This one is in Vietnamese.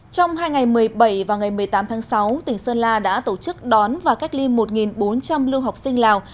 trong hai ngày một mươi bảy và ngày một mươi tám tháng sáu tỉnh sơn la đã tổ chức đón và cách ly một bốn trăm linh lưu học sinh lào